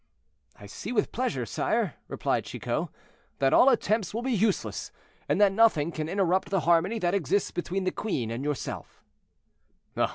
"I see with pleasure, sire," replied Chicot, "that all attempts will be useless, and that nothing can interrupt the harmony that exists between the queen and yourself."